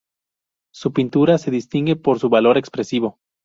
Su pintura se distingue por su valor expresivo.